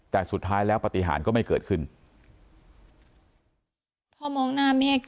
แต่สุดท้ายแล้วปฏิหารก็ไม่เกิดขึ้น